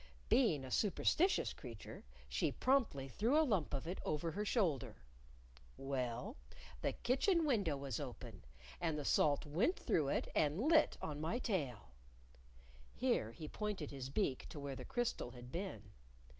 Being a superstitious creature she promptly threw a lump of it over her shoulder. Well, the kitchen window was open, and the salt went through it and lit on my tail," (Here he pointed his beak to where the crystal had been).